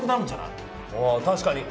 あ確かに。